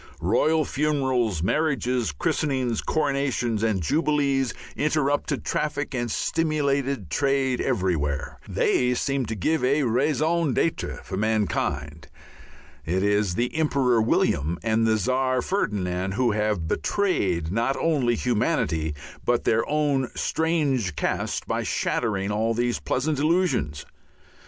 Royal funerals, marriages, christenings, coronations, and jubilees interrupted traffic and stimulated trade everywhere. They seemed to give a raison d'être for mankind. It is the Emperor William and the Czar Ferdinand who have betrayed not only humanity but their own strange caste by shattering all these pleasant illusions.